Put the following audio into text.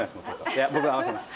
いや僕が合わせます！